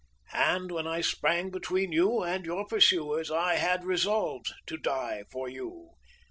And when I sprang between you and your pursuers, I had resolved to die for you.